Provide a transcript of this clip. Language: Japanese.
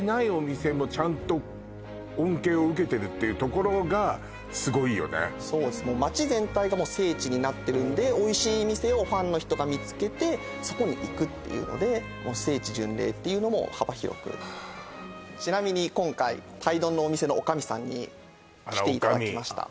これはもう別にでもいやだからそうですになってるんでおいしい店をファンの人が見つけてそこに行くっていうので聖地巡礼っていうのも幅広くちなみに今回鯛丼のお店の女将さんに来ていただきました